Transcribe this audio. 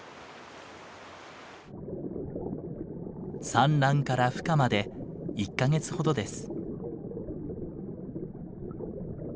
産卵からふ化まで１か月ほどです。